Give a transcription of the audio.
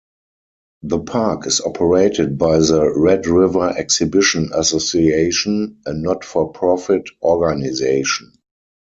The park is operated by the Red River Exhibition Association, a not-for-profit organization.